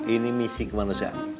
ini misi kemanusiaan